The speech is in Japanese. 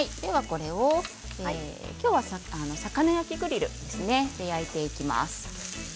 今日は魚焼きグリルで焼いていきます。